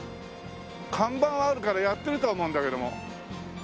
看板はあるからやってるとは思うんだけども。